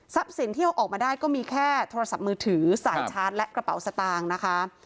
สินที่เอาออกมาได้ก็มีแค่โทรศัพท์มือถือสายชาร์จและกระเป๋าสตางค์นะคะ